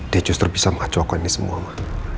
dia justru bisa mengacaukan ini semua ma